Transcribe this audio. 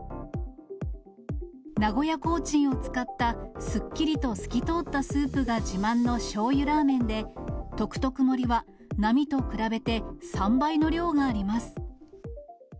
名古屋コーチンを使ったすっきりと透き通ったスープが自慢のしょうゆラーメンで、特特盛は並と比べて３倍の量があります。